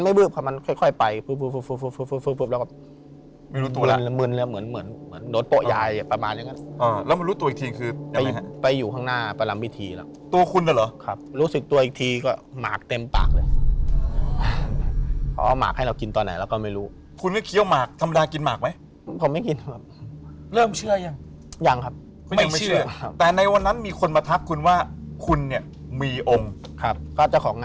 อะไรก็ลงเขามีเจ้าอะไรลงบ้าง